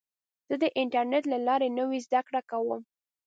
زه د انټرنیټ له لارې نوې زده کړه کوم.